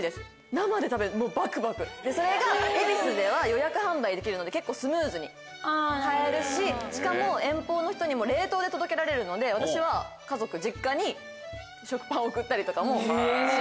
生で食べるもうバクバクでそれが恵比寿では予約販売できるので結構スムーズに買えるししかも遠方の人にも冷凍で届けられるので私は家族実家に食パンを送ったりとかもします。